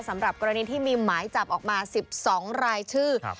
สำหรับกรณีที่มีหมายจับออกมาสิบสองรายชื่อครับ